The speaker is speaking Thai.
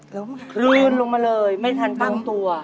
หลุ้นลุ่มมาเลยไม่ทันตั้งตัว